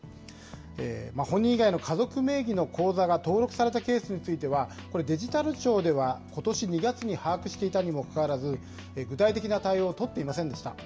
本人以外の家族名義の口座が登録されたケースについては、これ、デジタル庁ではことし２月に把握していたにもかかわらず、具体的な対応を取っていませんでした。